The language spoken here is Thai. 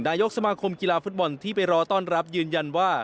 นายกสมาคมกีฬาฟุตบอลที่ไปรอต้อนรับยืนยันว่า